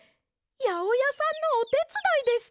やおやさんのおてつだいですか！？